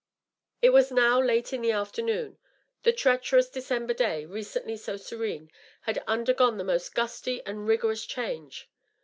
It was now late in the aflbemoon. The treacherous December day, recently so serene, had undergone the most gusty and rigorous change.